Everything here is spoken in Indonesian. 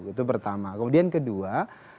itu pertama kemudian kedua